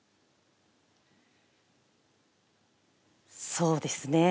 そうですね。